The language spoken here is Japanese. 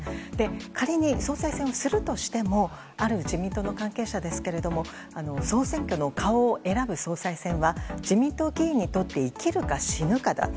仮に総裁選をするとしてもある自民党の関係者ですけども総選挙の顔を選ぶ総裁選は自民党議員にとって生きるか死ぬかだと。